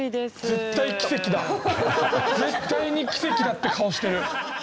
絶対に奇跡だって顔してる。